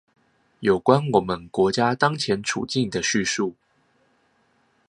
有關我們國家當前處境的敘述